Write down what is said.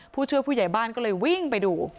ผู้ช่วยผู้ใหญ่บ้านก็เลยวิ่งไปดู